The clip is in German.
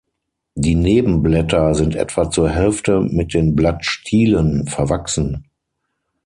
Die Nebenblätter sind etwa zur Hälfte mit den Blattstielen verwachsen.